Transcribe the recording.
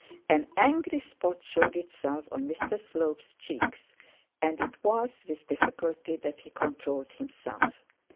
An angry spot showed itself upon Mr Slope's cheeks, and it was with difficulty that he controlled himself.